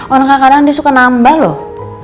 orang kadang dia suka nambah loh